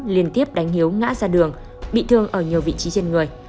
liên tiếp đánh hiếu ngã ra đường bị thương ở nhiều vị trí trên người